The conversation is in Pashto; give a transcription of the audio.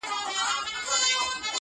داسي نه كيږي چي اوونـــۍ كې گـــورم.